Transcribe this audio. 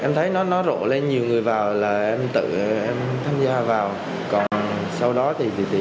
em thấy nó rộ lên nhiều người vào là em tự tham gia vào còn sau đó thì gì thì